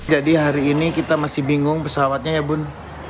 jadi hari ini kita masih bingung pesawatnya ya bun